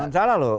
gak salah loh